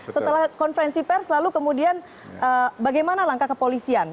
setelah konferensi pers lalu kemudian bagaimana langkah kepolisian